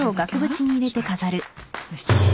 よし。